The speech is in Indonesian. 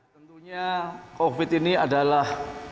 tentunya covid ini adalah